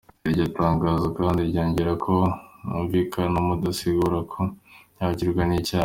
Iryo tangazo kandi ryongerako ko: "Uwo mwumvikano udasigura ko yagirwa n'icaha.